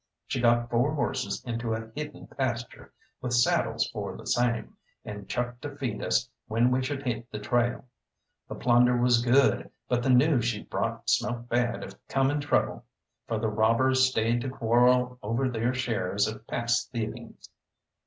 She got four horses into a hidden pasture, with saddles for the same, and chuck to feed us when we should hit the trail. The plunder was good, but the news she brought smelt bad of coming trouble, for the robbers stayed to quarrel over their shares of past thievings.